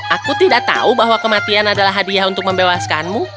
aku tidak tahu bahwa kematian adalah hadiah untuk membebaskanmu